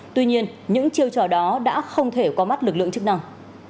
tuy nhiên những chiêu trò đó đã không thể qua mắt lực lượng chức năng